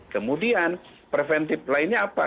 kemudian preventif lainnya apa